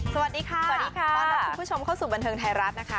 สวัสดีค่ะสวัสดีค่ะต้อนรับคุณผู้ชมเข้าสู่บันเทิงไทยรัฐนะคะ